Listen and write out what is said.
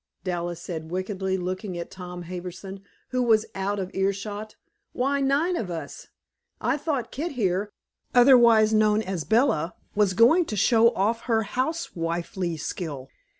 Dallas said wickedly, looking at Tom Harbison, who was out of earshot, "Why nine of us? I thought Kit here, otherwise known as Bella, was going to show off her housewifely skill."